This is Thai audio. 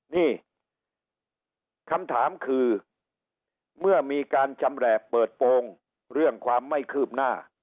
นี่คำถามคือเมื่อมีการชำแหละเปิดโปรงเรื่องความไม่คืบหน้า